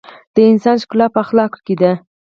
د انسان ښکلا په اخلاقو ده.